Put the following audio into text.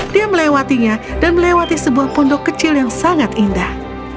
dia melewatinya dan melewati sebuah pondok kecil yang sangat indah